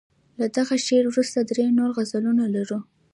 له دغه شعر وروسته درې نور غزلونه لرو.